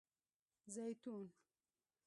🫒 زیتون